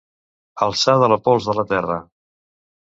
Alçar de la pols de la terra.